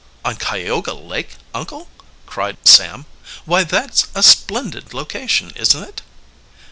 "On Cayuga Lake, uncle!" cried Sam. "Why, that's a splendid location, isn't it?"